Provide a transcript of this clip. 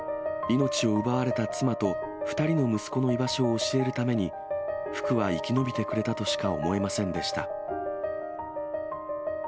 命を奪われた妻と２人の息子の居場所を教えるために、福は生き延びてくれたとしか思えませんでした。